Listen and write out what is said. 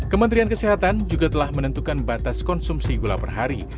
kementerian kesehatan juga telah menentukan batas konsumsi gula per hari